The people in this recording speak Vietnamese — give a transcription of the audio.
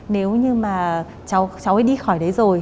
nếu như mà cháu ấy đi khỏi đấy rồi